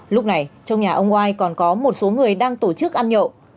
lúc này trong nhà ông oai còn có một số người đang tổ chức ăn nhậu